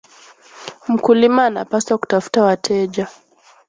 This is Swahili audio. Mkulima anapaswa kutafuta wateja